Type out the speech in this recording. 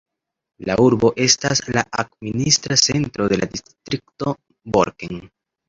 La urbo estas la administra centro de la distrikto Borken.